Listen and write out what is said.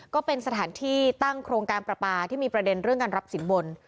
ก็เป็นสถานที่ตั้งโครงการประปาที่มีประเด็นเรื่องการรับสินบน